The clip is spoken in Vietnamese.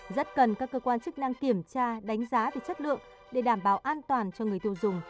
rất cần các cơ quan chức năng kiểm tra đánh giá về chất lượng để đảm bảo an toàn cho người tiêu dùng